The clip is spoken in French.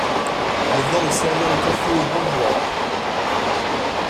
Je viens de servir le café aux bourgeois !